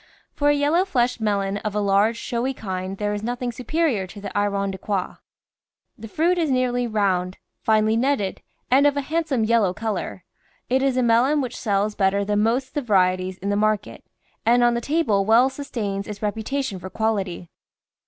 For a yellow fleshed melon of a large, showy kind there is nothing superior to the Irondequoit. The fruit is nearly round, finely netted, and of a handsome yellow colour. It is a melon which sells better than most of the varieties in the market, and on the table well sustains its reputation for quality.